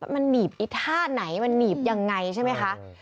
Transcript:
มันหนีบไอ้ท่าไหนมันหนีบยังไงใช่ไหมคะ